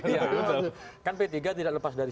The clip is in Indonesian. iya betul kan p tiga tidak lepas dari